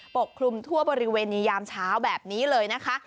ปกคลุมทั่วบริเวณในยามเช้าแบบนี้เลยนะคะ